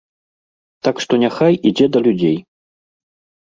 Так што няхай ідзе да людзей.